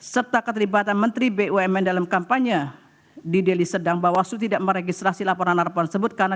serta keterlibatan menteri bumn dalam kampanye di deli sedang bawaslu tidak meregistrasi laporan laporan tersebut karena